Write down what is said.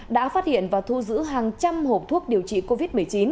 đã phát hiện và thu giữ hàng trăm hộp thuốc điều trị covid một mươi chín